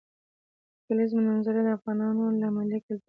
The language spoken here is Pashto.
د کلیزو منظره د افغانانو له ملي کلتور او دودونو سره پوره تړاو لري.